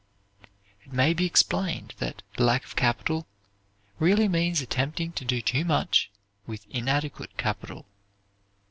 It may be explained that "lack of capital" really means attempting to do too much with inadequate capital.